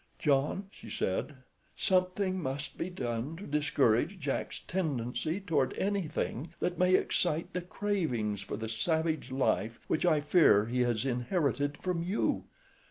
"John," she said, "something must be done to discourage Jack's tendency toward anything that may excite the cravings for the savage life which I fear he has inherited from you.